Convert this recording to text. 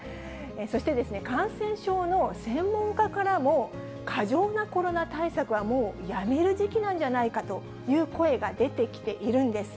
そして、感染症の専門家からも、過剰なコロナ対策はもうやめる時期なんじゃないかという声が出てきているんです。